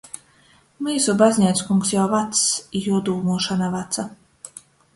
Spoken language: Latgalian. Myusu bazneickungs jau vacs, i juo dūmuošona vaca.